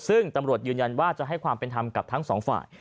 ซึ่งตำรวจยืนยันว่าจะให้ความเป็นธรรมกับทั้งสองฝ่าย